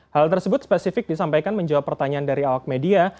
hal tersebut spesifik disampaikan menjawab pertanyaan dari awak media